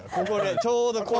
ここでちょうど。